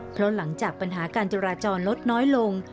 เพราะหลังจากปัญหาการจุราจรลดน้อยลง